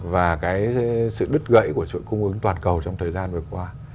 và cái sự đứt gãy của chuỗi cung ứng toàn cầu trong thời gian vừa qua